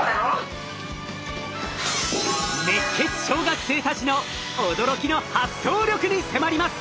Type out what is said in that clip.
熱血小学生たちの驚きの発想力に迫ります。